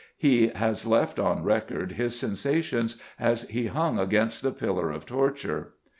He has left on record his sensations as he hung against the pillar of torture.